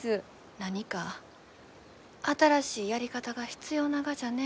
何か新しいやり方が必要ながじゃね。